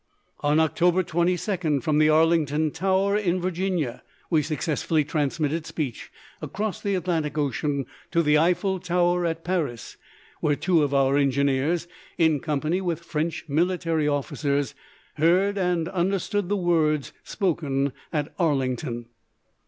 On October 22d, from the Arlington tower in Virginia, we successfully transmitted speech across the Atlantic Ocean to the Eiffel Tower at Paris, where two of our engineers, in company with French military officers, heard and understood the words spoken at Arlington.